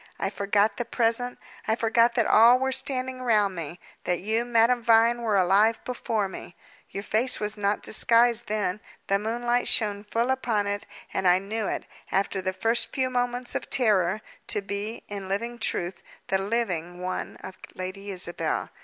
I forgot the present; I forgot that all were standing round me; that you, Madame Vine, were alive before me. Your face was not disguised then; the moonlight shone full upon it, and I knew it, after the first few moments of terror, to be, in dreadful truth, the living one of Lady Isabel.